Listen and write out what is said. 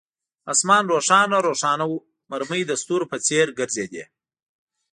آسمان روښانه روښانه وو، مرمۍ د ستورو په څیر ګرځېدې.